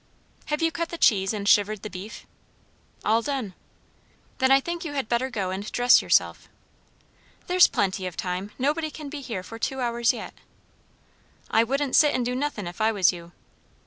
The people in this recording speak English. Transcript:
"Have you cut the cheese and shivered the beef?" "All done." "Then I think you had better go and dress yourself." "There's plenty of time. Nobody can be here for two hours yet." "I wouldn't sit and do nothin', if I was you."